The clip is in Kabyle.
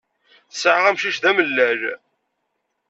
Tesɛa amcic d amellal.